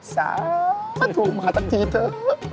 สาปะถูกมาชะเตียดสิ